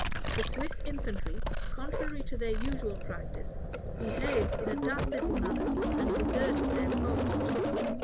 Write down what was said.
The Swiss infantry, contrary to their usual practice, behaved in a dastardly manner, and deserted their post.